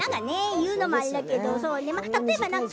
言うのもあれだけどね。